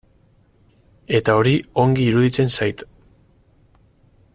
Eta hori ongi iruditzen zait.